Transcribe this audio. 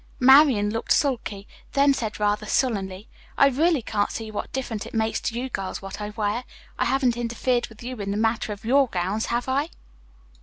Marian looked sulky, then said rather sullenly: "I really can't see what difference it makes to you girls what I wear. I haven't interfered with you in the matter of your gowns, have I?"